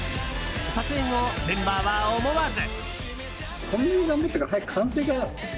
撮影後、メンバーは思わず。